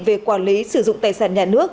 về quản lý sử dụng tài sản nhà nước